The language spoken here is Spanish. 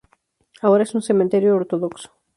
Ahora es un cementerio ortodoxo.